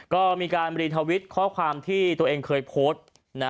ก็มีการรีทวิตข้อความที่ตัวเองเคยโพสต์นะ